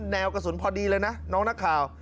แนวกระสุนพอดีเลยนะน้องนักข่าว